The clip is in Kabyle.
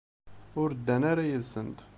Ur ddan ara yid-sent.